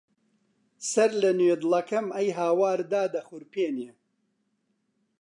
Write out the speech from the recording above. سەرلەنوێ دڵەکەم ئەی هاوار دادەخورپێنێ